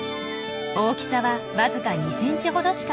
大きさは僅か２ｃｍほどしかありません。